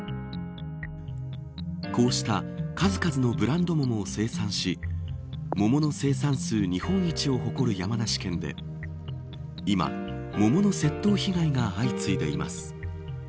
こうした数々のブランド桃を生産し桃の生産数日本一を誇る山梨県で今、桃の窃盗被害が相次いでいます。